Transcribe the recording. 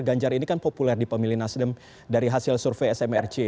ganjar ini kan populer di pemilih nasdem dari hasil survei smrc